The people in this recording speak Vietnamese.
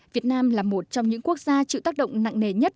việt nam là một trong những quốc gia chịu tác động nặng nề nhất